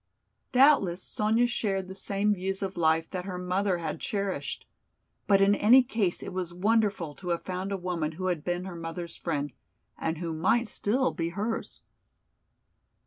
Doubtless Sonya shared the same views of life that her mother had cherished! But in any case it was wonderful to have found a woman who had been her mother's friend and who might still be hers.